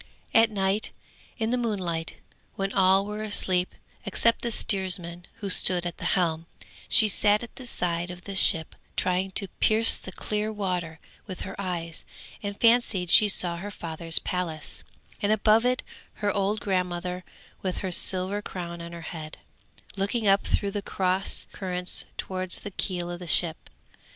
At night, in the moonlight, when all were asleep, except the steersman who stood at the helm, she sat at the side of the ship trying to pierce the clear water with her eyes, and fancied she saw her father's palace, and above it her old grandmother with her silver crown on her head, looking up through the cross currents towards the keel of the ship.